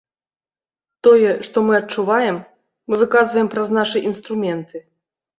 Тое, што мы адчуваем, мы выказваем праз нашы інструменты.